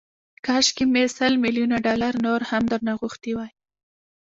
کاشکي مې سل ميليونه ډالر نور هم درنه غوښتي وای.